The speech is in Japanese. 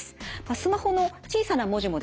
スマホの小さな文字もですね